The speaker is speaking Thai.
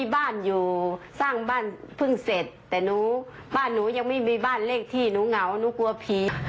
บ้านหนูยังไม่มีบ้านเลขที่หนูเหงาหนูกลัวผี